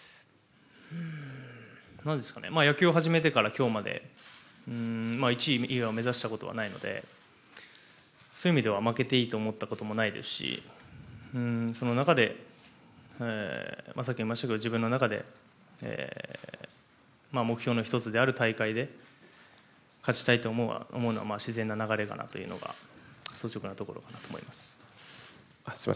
野球を始めてから今日まで１位以外を目指したことはないのでそういう意味では負けていいと思ったこともないですしその中でさっきも言いましたけど自分の中で目標の１つである大会で勝ちたいと思うのは自然な流れかなというのが正直なところあります。